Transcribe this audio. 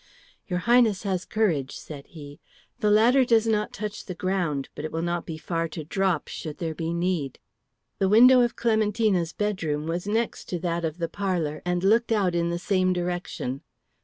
"Your Highness has courage," said he. "The ladder does not touch the ground, but it will not be far to drop, should there be need." The window of Clementina's bedroom was next to that of the parlour and looked out in the same direction.